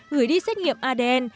gửi đi xét nghiệm adn